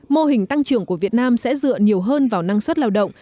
mô hình tăng trưởng của việt nam sẽ dựa nhiều hơn vào năng suất lao động